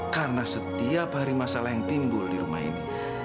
karena setiap hari masalah yang tinggul di rumah ini